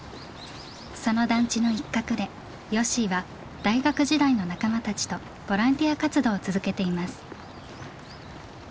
その団地の一角でよっしーは大学時代の仲間たちとボランティア活動を続けています。